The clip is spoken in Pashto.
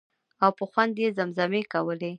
او په خوند یې زمزمې کولې.